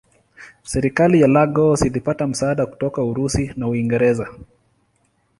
Serikali ya Lagos ilipata msaada kutoka Urusi na Uingereza.